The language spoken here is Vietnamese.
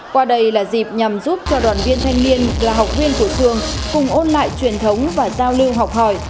qua đây là dịp nhằm giúp cho đoàn viên thanh niên là học viên của phường cùng ôn lại truyền thống và giao lưu học hỏi